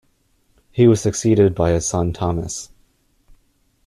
He was succeeded by his son Thomas.